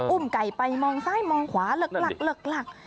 ุ่มไก่ไปมองซ้ายมองขวาหลัก